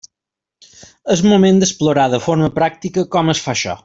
És moment d'explorar de forma pràctica com es fa això.